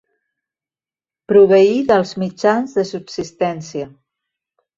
Proveir dels mitjans de subsistència.